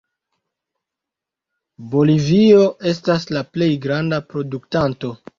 Bolivio estas la plej granda produktanto.